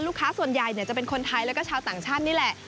ส่วนใหญ่จะเป็นคนไทยแล้วก็ชาวต่างชาตินี่แหละ